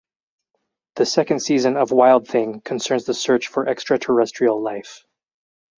The second season of Wild Thing concerns the search for extraterrestrial life.